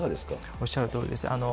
おっしゃるとおりです。